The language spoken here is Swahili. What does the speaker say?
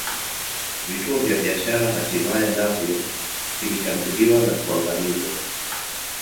Vituo vya biashara hatimaye navyo vilishambuliwa na kuangamizwa